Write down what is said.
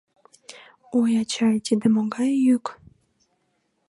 Ой, ачай, тиде могай йӱк?